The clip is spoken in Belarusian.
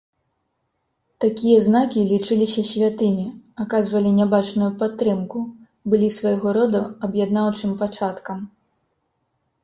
Такія знакі лічыліся святымі, аказвалі нябачную падтрымку, былі свайго роду аб'яднаўчым пачаткам.